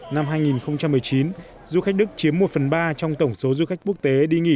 năm hai nghìn một mươi chín du khách đức chiếm một phần ba trong tổng số du khách quốc tế đi nghỉ